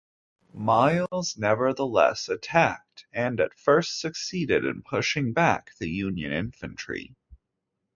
Miles nevertheless attacked, and at first succeeded in pushing back the Union infantry.